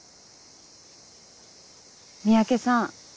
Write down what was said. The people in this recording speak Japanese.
三宅さん